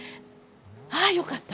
ああよかった！